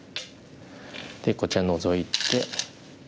でこちらノゾいて。